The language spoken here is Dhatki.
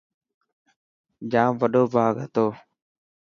ڄام وڏو باغ هتو.